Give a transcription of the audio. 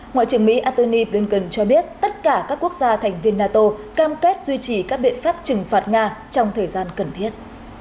ngoại trưởng mỹ antony blinken cho biết tất cả các quốc gia thành viên nato cam kết duy trì các biện pháp trừng phạt nga trong thời gian cần thiết